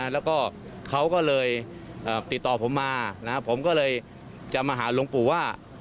แล้วก็เขาก็เลยติดต่อผมมาผมก็เลยจะมาหาหลวงปู่ว่า